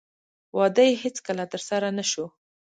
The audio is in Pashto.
واده یې هېڅکله ترسره نه شو.